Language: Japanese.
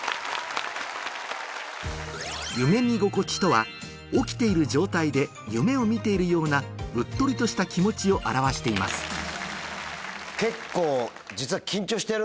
夢見心地とは起きている状態で夢を見ているようなうっとりとした気持ちを表しています実は。